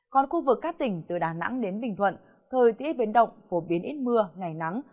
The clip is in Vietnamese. còn khu vực các tỉnh từ đà nẵng đến bình thuận thời tiết biến động phổ biến ít mưa ngày nắng